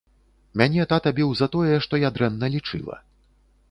Мяне тата біў за тое, што я дрэнна лічыла.